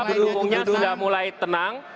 pendukungnya sudah mulai tenang